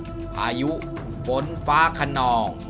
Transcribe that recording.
ธรรมชาติภายุฝนฟ้าขนอง